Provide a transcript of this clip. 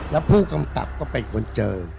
แล้วผู้กำกับก็เป็นคนเจอ